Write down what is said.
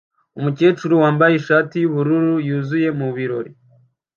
umukecuru wambaye ishati yubururu yuzuye mubirori